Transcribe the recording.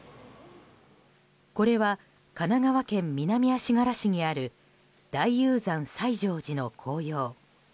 これは神奈川県南足柄市にある大雄山最乗寺の紅葉。